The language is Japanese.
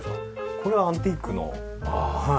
これはアンティークのはい。